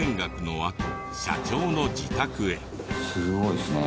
すごいですね。